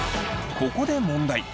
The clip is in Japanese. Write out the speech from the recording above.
ここで問題。